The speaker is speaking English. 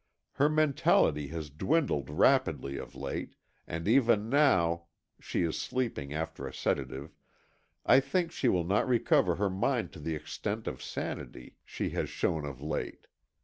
Her mentality has dwindled rapidly of late, and even now—she is sleeping after a sedative—I think she will not recover her mind to the extent of sanity she has shown of late.